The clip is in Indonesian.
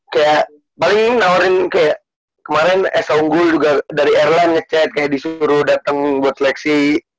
kayak paling nawarin kayak kemarin esa unggul juga dari airline ngechat kayak disuruh dateng buat seleksi